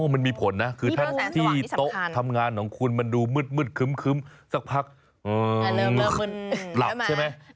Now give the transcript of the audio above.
มันมีผลนะคือถ้าที่โต๊ะทำงานของคุณมันดูมืดคึ้มสักพักหลับใช่ไหม